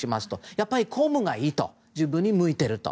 やっぱり公務がいい自分に向いていると。